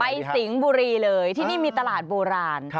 สิงห์บุรีเลยที่นี่มีตลาดโบราณ